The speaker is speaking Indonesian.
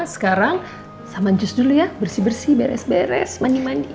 sekarang sama jus dulu ya bersih bersih beres beres mandi mandi